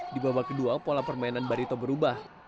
di babak kedua pola permainan barito berubah